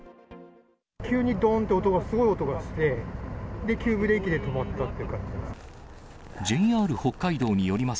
急にどんと音が、すごい音がして、で、急ブレーキで止まったっていう感じです。